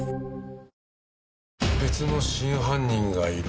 別の真犯人がいる。